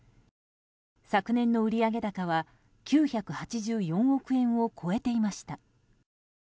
昨年度の売上高は９８４億円を超えていました。